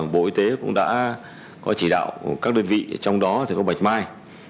bộ y tế cũng đã có chỉ đạo các đơn vị trong đó thì có bạch mai